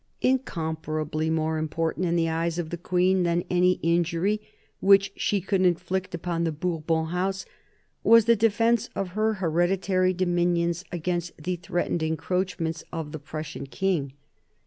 Incomparably more important in the eyes of the queen than any injury which she could inflict upon the Bourbon House, was the defence of her hereditary dominions against the threatened encroachments of the Prussian king.